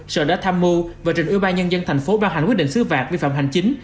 sở đã tham mưu và trình ưu ba nhân dân thành phố bao hành quyết định xứ vạt vi phạm hành chính